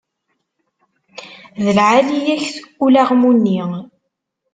D lɛali-yak-t ulaɣmu-nni.